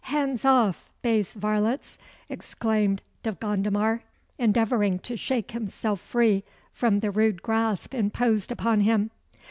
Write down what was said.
"Hands off, base varlets!" exclaimed De Gondomar, endeavouring to shake himself free from the rude grasp imposed upon him.